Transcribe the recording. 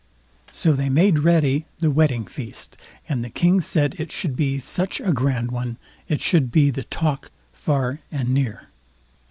So they made ready the wedding feast, and the King said it should be such a grand one, it should be the talk far and near.